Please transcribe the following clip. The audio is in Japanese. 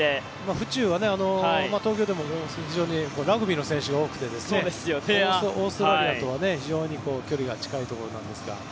府中は東京でも非常にラグビーの選手が多くてオーストラリアとは非常に距離が近いところなんですが。